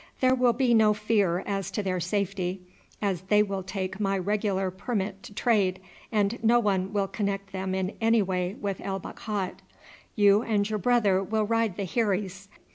There will be no fear as to their safety, as they will take my regular permit to trade, and no one will connect them in any way with El Bakhat. You and your brother will ride the heiries.